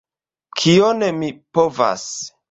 Kion mi povas?